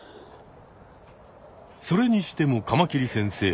それにしてもカマキリ先生